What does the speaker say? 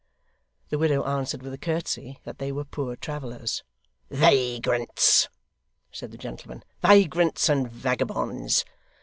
The widow answered with a curtsey, that they were poor travellers. 'Vagrants,' said the gentleman, 'vagrants and vagabonds.